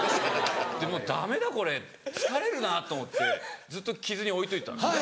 でもうダメだこれ疲れるなと思ってずっと着ずに置いといたんですね。